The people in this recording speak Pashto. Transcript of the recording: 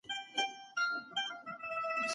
دولتونه د نړیوالو اصولو په رڼا کي فعالیت کوي.